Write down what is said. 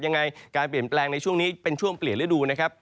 ยังไงการเปลี่ยนแปลงในช่วงนี้เป็นช่วงเปลี่ยนฤดูนะครับ